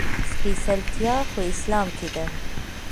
سپېڅلتيا خو اسلام کې ده.